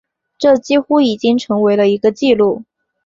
这几乎已经成为了一个记录。